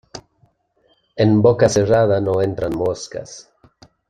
En boca cerrada no entran moscas.